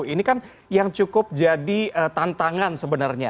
ini kan yang cukup jadi tantangan sebenarnya